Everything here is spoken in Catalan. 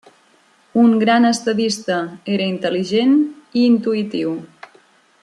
Un gran estadista, era intel·ligent i intuïtiu.